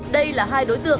đây là hai đối tượng